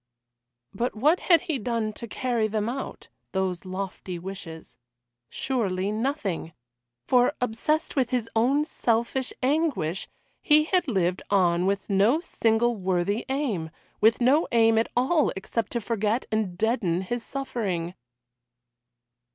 But what had he done to carry them out those lofty wishes? Surely nothing. For, obsessed with his own selfish anguish, he had lived on with no single worthy aim, with no aim at all except to forget and deaden his suffering.